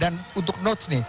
dan untuk notes nih